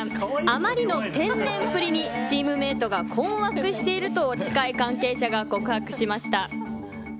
あまりの天然っぷりにチームメイトが困惑していると近い関係者が告白しました。